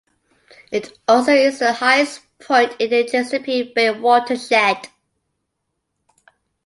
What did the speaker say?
It also is the highest point in the Chesapeake Bay Watershed.